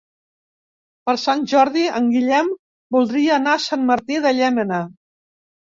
Per Sant Jordi en Guillem voldria anar a Sant Martí de Llémena.